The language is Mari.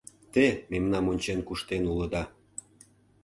Те мемнам ончен куштен улыда...